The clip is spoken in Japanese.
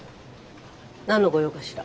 何の御用かしら？